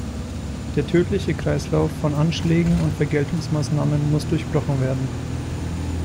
Der tödliche Kreislauf von Anschlägen und Vergeltungsmaßnahmen muss durchbrochen werden.